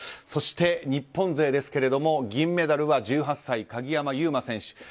そして日本勢は銀メダルは１８歳、鍵山優真選手。